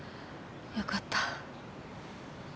よかった。